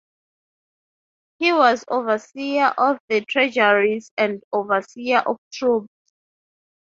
He was overseer of the treasuries and "overseer of troops".